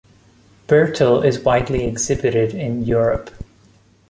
Bertil is widely exhibited in Europe.